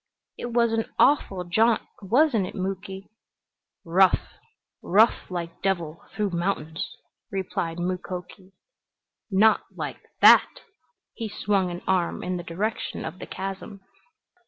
"It was an awful jaunt, wasn't it, Muky?" "Rough rough like devil th'ough mountains," replied Mukoki. "Not like that!" He swung an arm in the direction of the chasm.